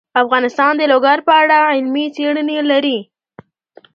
افغانستان د لوگر په اړه علمي څېړنې لري.